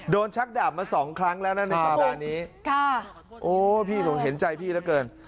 โดนชักดาบมาสองครั้งแล้วนะครับรอแบบนี้โอ้พี่เห็นใจพี่เท่าไหร่เกิน